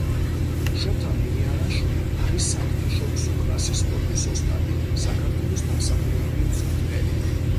შოთა მირიანაშვილი არის საერთაშორისო კლასის სპორტის ოსტატი, საქართველოს დამსახურებული მწვრთნელი.